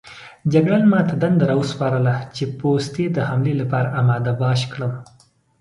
جګړن ما ته دنده راوسپارله چې پوستې د حملې لپاره اماده باش کړم.